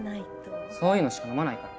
そういうのしか飲まないから。